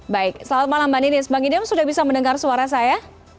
baik selamat malam mbak ninis bang idam sudah bisa mendengar suara saya